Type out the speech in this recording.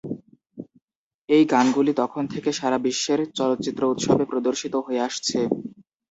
এই গানগুলি তখন থেকে সারা বিশ্বের চলচ্চিত্র উৎসবে প্রদর্শিত হয়ে আসছে।